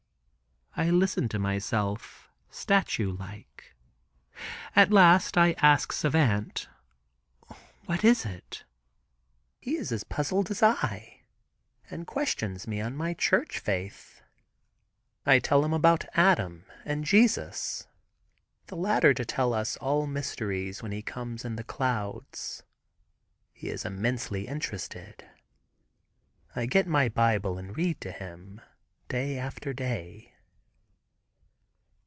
I listen to myself statue like. At last I ask Savant, "What is it?" He is puzzled as I, and questions me on my church faith. I tell him about Adam and Jesus; the latter to tell us all mysteries, when he comes in the clouds. He is intensely interested. I get my bible and read to him day after day.